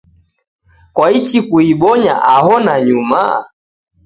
kwaichi kuibonya aho nanyuma?